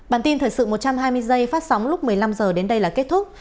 bản tin thời sự một trăm hai mươi giây phát sóng lúc một mươi năm h đến đây là kết thúc